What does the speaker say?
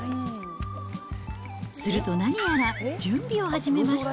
すると何やら準備を始めました。